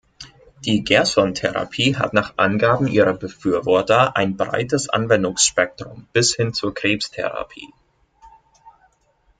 Die "Gerson-Therapie" hat nach Angaben ihrer Befürworter ein breites Anwendungsspektrum bis hin zur Krebstherapie.